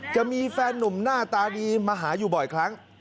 จะมีแฟนหนุ่มหน้าตาดีมาหาอยู่บ่อยครั้ง